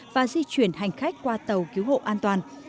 và di chuyển hành khách qua tàu cứu hộ an toàn